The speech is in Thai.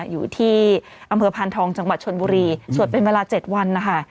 อยู่ที่อำเภอพานทองจังหวัดชนบุรีสวดเป็นเวลา๗วันนะคะ